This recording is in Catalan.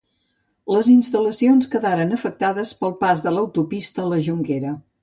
Les instal·lacions quedaren afectades pel pas de l'autopista a La Jonquera.